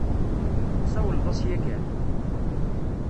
Tessawleḍ-as yakan?